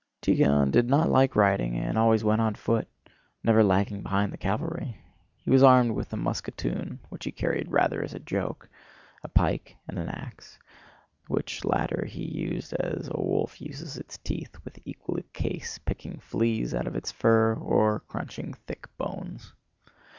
Tíkhon did not like riding, and always went on foot, never lagging behind the cavalry. He was armed with a musketoon (which he carried rather as a joke), a pike and an ax, which latter he used as a wolf uses its teeth, with equal ease picking fleas out of its fur or crunching thick bones.